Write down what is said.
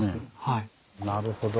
なるほど。